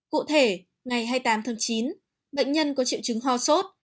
cụ thể ngày hai mươi tám tháng chín bệnh nhân có triệu chứng ho sốt